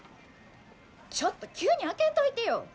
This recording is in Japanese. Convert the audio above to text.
ちょっと急に開けんといてよ！